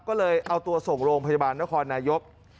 ก็เลยเอาตัวส่งโรงพยาบาลนครนายก